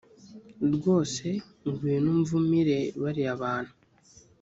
rwose ngwino umvumire bariya bantu.